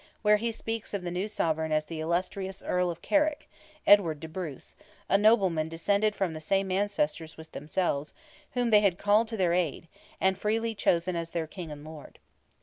where he speaks of the new sovereign as the illustrious Earl of Carrick, Edward de Bruce, a nobleman descended from the same ancestors with themselves, whom they had called to their aid, and freely chosen as their king and lord.